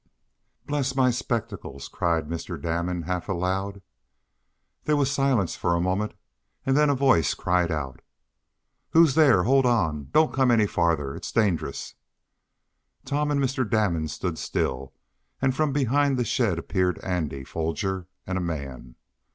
"Bless my spectacles!" cried Mr. Damon, half aloud. There was silence for a moment, and then a voice cried out: "Who's there? Hold on! Don't come any farther! It's dangerous!" Tom and Mr. Damon stood still, and from behind the shed stepped Andy Foger and a man.